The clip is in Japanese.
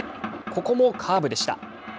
ここもカーブでした。